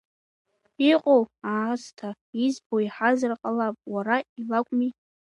Иҟоу аасҭа избо еиҳазар ҟалап, уара, илакәми…